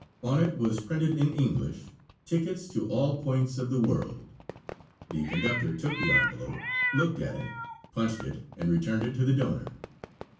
On it was printed in English, "Tickets to all points of the world." The conductor took the envelope, looked at it, punched it and returned it to the donor.